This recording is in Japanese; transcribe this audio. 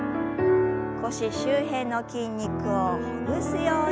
腰周辺の筋肉をほぐすように。